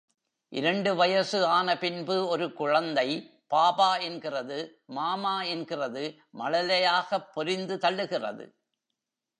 இரண்டு வயசு ஆன பின்பு ஒரு குழந்தை பாபா என்கிறது மாமா என்கிறது மழலையாகப் பொரிந்து தள்ளுகிறது.